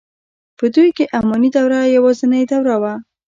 په دوی کې اماني دوره یوازنۍ دوره وه.